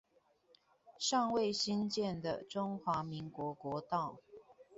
尚未興建的中華民國國道